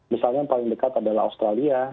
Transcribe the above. misalnya yang paling dekat adalah australia